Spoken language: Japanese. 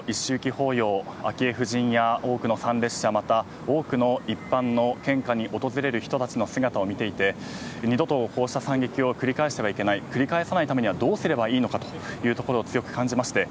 法要昭恵夫人や多くの参列者また、多くの一般の献花に訪れる人たちの姿を見ていて二度とこうした惨劇を繰り返してはいけない繰り返さないためにはどうすればいいのかというところを強く感じました。